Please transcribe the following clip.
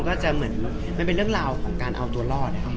ก็จะเหมือนมันเป็นเรื่องราวของการเอาตัวรอดนะครับ